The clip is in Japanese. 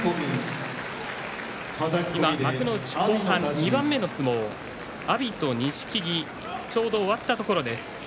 今、幕内後半、２番目の相撲阿炎対錦木ちょうど終わったところです。